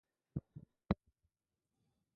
Various drummers came and left.